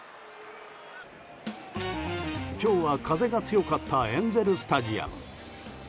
今日は風が強かったエンゼル・スタジアム。